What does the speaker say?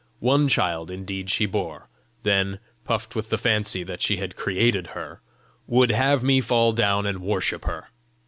One child, indeed, she bore; then, puffed with the fancy that she had created her, would have me fall down and worship her!